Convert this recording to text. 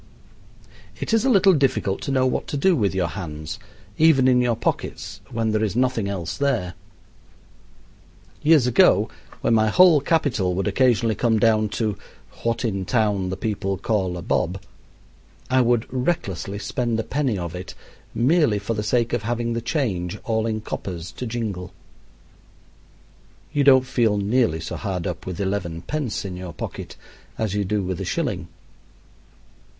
It is a little difficult to know what to do with your hands, even in your pockets, when there is nothing else there. Years ago, when my whole capital would occasionally come down to "what in town the people call a bob," I would recklessly spend a penny of it, merely for the sake of having the change, all in coppers, to jingle. You don't feel nearly so hard up with eleven pence in your pocket as you do with a shilling.